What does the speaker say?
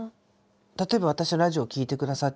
例えば私のラジオを聴いてくださってる方